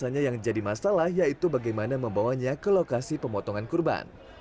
biasanya yang jadi masalah yaitu bagaimana membawanya ke lokasi pemotongan kurban